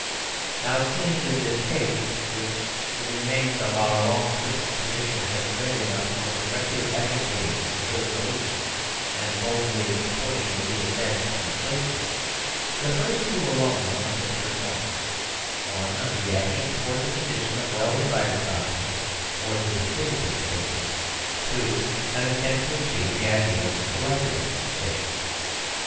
Now, seeing the distaste which the remains of our long Christian tradition has bred in us for directly advocating the third solution and boldly supporting the re establishment of slavery, the first two alone are open to reformers: (i) a reaction towards a condition of well divided property or the Distributive State; (2) an attempt to achieve the ideal Collectivist State.